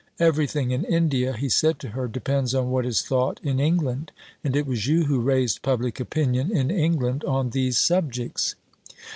"Everything in India," he said to her, "depends on what is thought in England, and it was you who raised public opinion in England on these subjects."